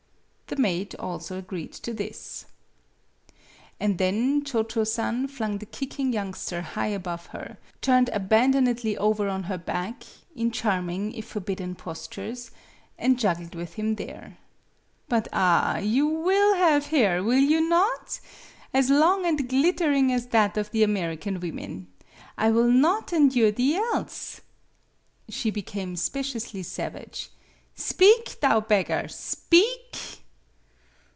The maid also agreed to this. And then Cho Cho San flung the kicking youngster high above her, turned aban donedly over on her back (in charming, if forbidden, postures), and juggled with him there. "But ah! you will have hair, will you not? as long and glittering as that of th American women. I will not endure the* else." She became speciously savage. "Speak, thou beggar, speak!"